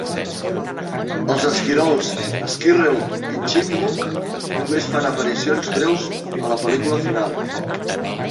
Els esquirols, Squirrel i Chipmunk només fan aparicions breus a la pel·lícula final.